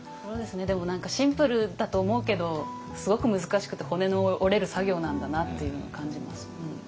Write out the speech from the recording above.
でも何かシンプルだと思うけどすごく難しくて骨の折れる作業なんだなというのを感じます。